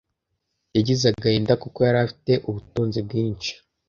yagize agahinda kuko yari afite ubutunzi bwinshi